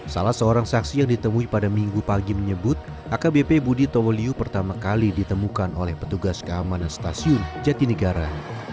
salah seorang saksi yang ditemui pada minggu pagi menyebut akbp budi towoliu pertama kali ditemukan oleh petugas keamanan stasiun jatinegara